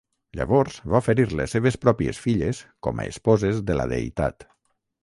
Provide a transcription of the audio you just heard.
Llavors va oferir les seves pròpies filles com a esposes de la deïtat.